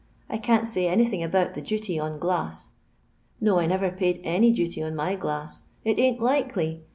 I can't say ig about the duty on glass. No, I neyer y duty on my glass ; it ain't likely.